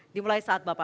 dimulai saat bapak